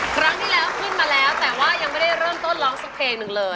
ครั้งที่แล้วขึ้นมาแล้วแต่ว่ายังไม่ได้เริ่มต้นร้องสักเพลงหนึ่งเลย